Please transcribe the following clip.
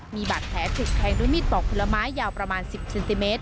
มีบาดแผลถูกแทงด้วยมีดปอกผลไม้ยาวประมาณ๑๐เซนติเมตร